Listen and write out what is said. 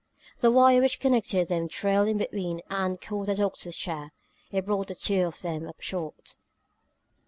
The wire which connected them trailed in between and caught on the doctor's chair. It brought the two of them up short.